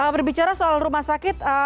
berbicara soal rumah sakit